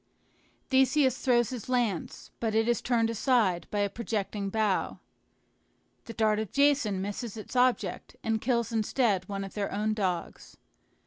Theseus throws his lance, but it is turned aside by a projecting bough. The dart of Jason misses its object, and kills instead one of their own dogs.